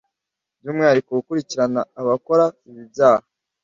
by’umwihariko gukurikirana abakora ibi byaha.